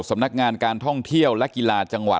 สำนักงานการท่องเที่ยวและกีฬาจังหวัด